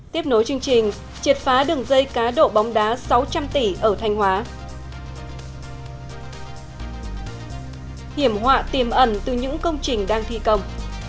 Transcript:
tiếp nối chương trình triệt phá đường dây cá độ bóng đá sáu trăm linh tỷ ở thanh hóa hiểm họa tìm ẩn từ những công trình đang thi công